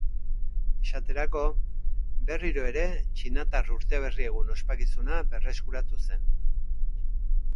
Esaterako, berriro ere Txinatar urteberri-egun ospakizuna berreskuratu zen.